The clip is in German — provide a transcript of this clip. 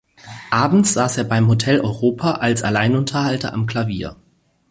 Abends saß er beim Hotel Europa als Alleinunterhalter am Klavier.